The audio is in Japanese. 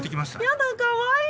やだ、かわいい。